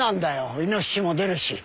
イノシシも出るし。